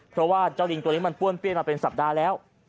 เพราะว่าเจ้าลิงตัวนี้มันป้วนเปี้ยนมาเป็นสัปดาห์แล้ว